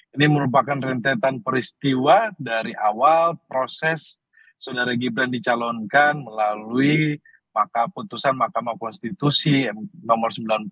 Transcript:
ini merupakan rentetan peristiwa dari awal proses saudara gibran dicalonkan melalui maka putusan mahkamah konstitusi nomor sembilan belas